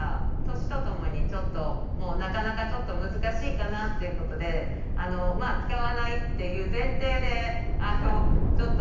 年とともにちょっとなかなか難しいかなっていうことでまあ使わないっていう前提でちょっと使わせて頂いてる。